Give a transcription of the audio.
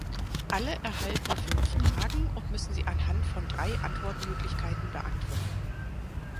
Alle erhalten fünf Fragen und müssen sie anhand von drei Antwortmöglichkeiten beantworten.